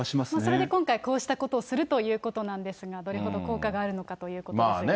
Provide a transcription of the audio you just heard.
それで今回、こうしたことをするということなんですが、どれほど効果があるのかということですよね。